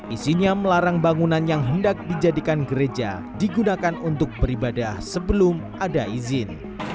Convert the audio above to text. isinya melarang bangunan yang hendak dijadikan gereja digunakan untuk beribadah sebelum ada izin